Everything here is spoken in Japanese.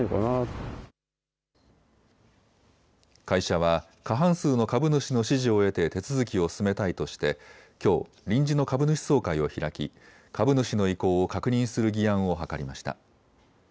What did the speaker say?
会社は過半数の株主の支持を得て手続きを進めたいとしてきょう、臨時の株主総会を開き株主の意向を確認する議案を諮りました。